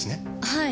はい。